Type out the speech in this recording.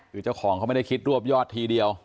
คือเจ้าของเขาไม่ได้คิดรวบยอดทีเดียว